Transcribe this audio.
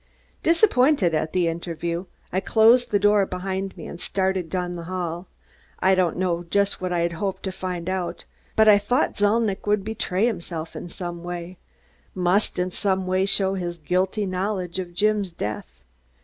Disappointed at the interview, I closed the door behind me and started down the hall. I don't know just what I had hoped to find out, but I thought Zalnitch would betray himself in some way must in some way show his guilty knowledge of Jim's death.